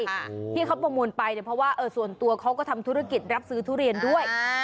ผู้ที่เขาประมูลไปเพราะว่าส่วนตัวเขาก็ทำธุรกิจรับซื้อทุเรียนด้วย